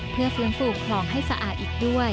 เพื่อฟื้นฟูคลองให้สะอาดอีกด้วย